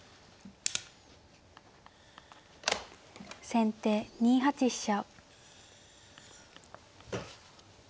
先手２八飛車。